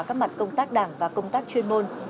các mặt công tác đảng và công tác chuyên môn